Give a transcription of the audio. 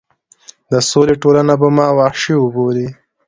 د سولې ټولنه به ما وحشي وبولي.